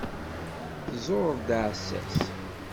Tẓur-d aɛessas.